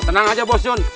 tenang aja bos jun